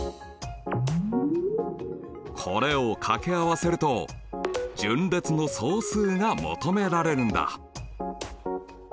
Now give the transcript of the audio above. これをかけ合わせると順列の総数が求められるんだ。